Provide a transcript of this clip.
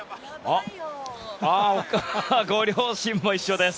ご両親も一緒です。